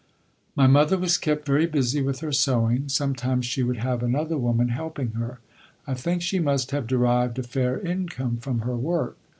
My mother was kept very busy with her sewing; sometimes she would have another woman helping her. I think she must have derived a fair income from her work.